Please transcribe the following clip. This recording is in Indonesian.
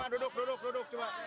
duduk duduk duduk